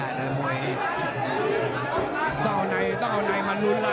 ต้องเอาในมาลุ้นละ